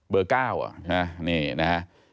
เบอร์๙เหรอนี่นะครับ